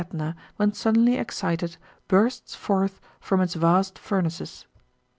273 ^tna, when suddenly excited, bursts forth from its vast fur naces.